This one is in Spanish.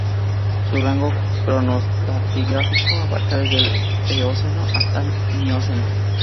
Su rango cronoestratigráfico abarca desde el Eoceno hasta la Mioceno.